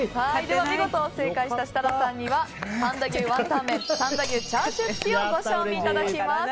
見事正解した設楽さんには三田牛ワンタン麺三田牛チャーシュー付きをご賞味いただきます。